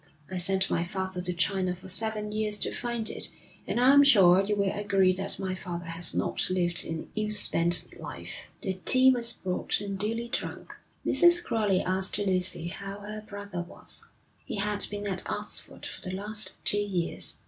I sent my father to China for seven years to find it, and I'm sure you will agree that my father has not lived an ill spent life.' The tea was brought and duly drunk. Mrs. Crowley asked Lucy how her brother was. He had been at Oxford for the last two years.